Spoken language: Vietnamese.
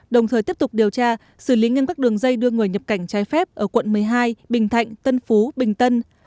đồng thời tiếp tục điều tra xử lý nghiêm các đường dây đưa người nhập cảnh trái phép ở quận một mươi hai bình thạnh tân phú bình tân